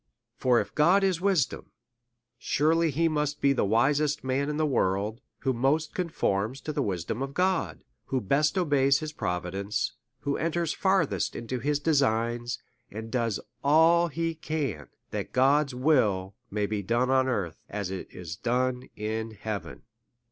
For if God is wisdom, surely he must be the wisest man in the world, who most conforms to the wisdom of God, who best obeys bis providence, who enters farthest into his designs, and does all he can, that God's will may be done on earth, as it is done in heaven.